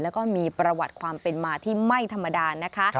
แล้วก็มีประวัติความเป็นมาที่ไม่ธรรมดานะคะ